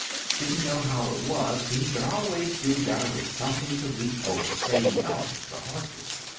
Didn't know how it was, but he could always do better with something to leap over, say elephants or horses.